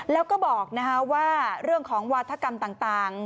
แล้วก็บอกว่าเรื่องของวาธกรรมต่าง